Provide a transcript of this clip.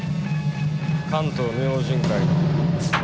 関東明神会の渡だ。